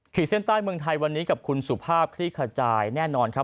เส้นใต้เมืองไทยวันนี้กับคุณสุภาพคลี่ขจายแน่นอนครับ